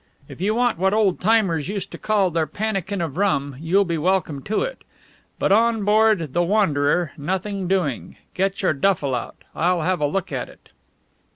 If you want what old timers used to call their pannikin of rum, you'll be welcome to it. But on board the Wanderer, nothing doing. Get your duffel out. I'll have a look at it."